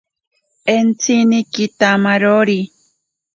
Entsini kitamarori.